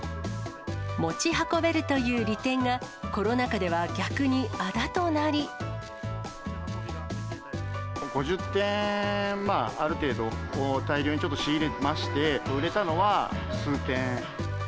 持ち運べるという利点が、５０点ある程度、大量にちょっと仕入れまして、売れたのは数点。